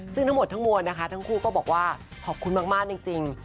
ซึ่งทั้งหมดทั้งมวลนะคะทั้งคู่ก็บอกว่าขอบคุณมากจริง